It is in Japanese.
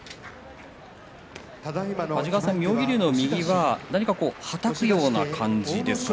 安治川さん、妙義龍の右が何かはたくような感じですかね。